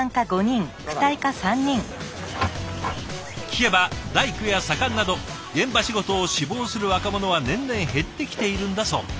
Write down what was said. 聞けば大工や左官など現場仕事を志望する若者は年々減ってきているんだそう。